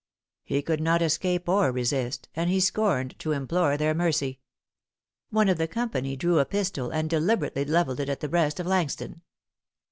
He could not escape or resist; and he scorned to implore their mercy. One of the company drew a pistol, and deliberately levelled it at the breast of Langston.